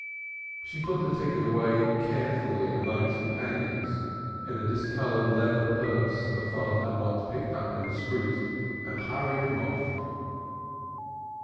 She put the ticket away carefully among its companions in a discolored leather purse her father had once picked up in the street, and hurried him off.